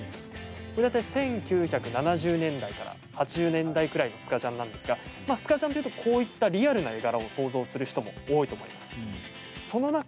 これ大体１９７０年代から８０年代くらいのスカジャンなんですがまあスカジャンっていうとこういったリアルな絵柄を想像する人も多いと思います。